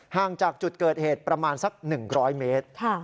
ห่างจากจุดเกิดเหตุประมาณสัก๑๐๐เมตร